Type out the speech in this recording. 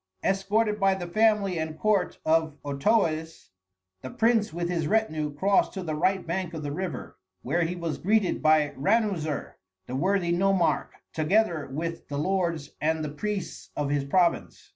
Escorted by the family and court of Otoes, the prince with his retinue crossed to the right bank of the river, where he was greeted by Ranuzer, the worthy nomarch, together with the lords and the priests of his province.